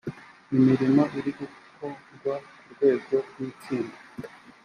imirimo iri gukorwa ku rwego rw’ itsinda